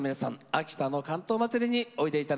秋田の竿燈まつりにおいで頂きたいと思います。